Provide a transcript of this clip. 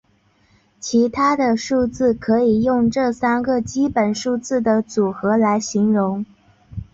其他的数字可以用这三个基本数字的组合来形容。